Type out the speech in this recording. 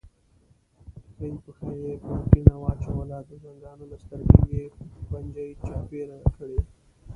ښي پښه یې پر کیڼه واچوله، د زنګانه له سترګې یې پنجې چاپېره کړې.